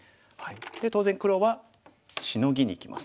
で当然黒はシノギにきます。